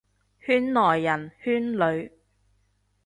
圈內人，圈裏，